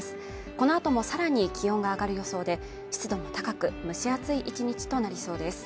このあともさらに気温が上がる予想で湿度も高く蒸し暑い１日となりそうです